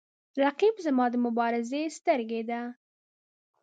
رقیب زما د مبارزې سترګې ده